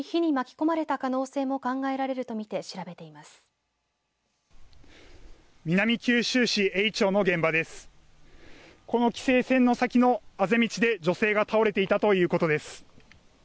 この規制線の先のあぜ道で女性が倒れていたということです。